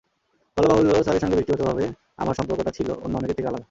বলা বাহুল্য, স্যারের সঙ্গে ব্যক্তিগতভাবে আমার সম্পর্কটা ছিল অন্য অনেকের থেকে আলাদা।